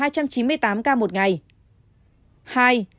ba hai trăm chín mươi tám ca một ngày